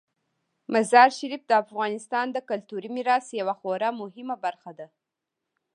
مزارشریف د افغانستان د کلتوري میراث یوه خورا مهمه برخه ده.